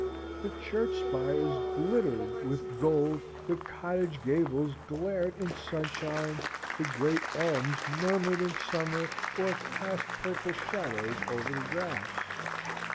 The church spires glistened with gold, the cottage gables glared in sunshine, the great elms murmured in summer, or cast purple shadows over the grass.